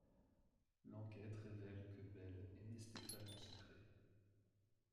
L'enquête révèle que Belle aimait Stéphane en secret.